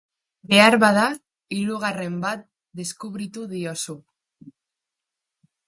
Behar bada, hirugarren bat deskubritu diozu.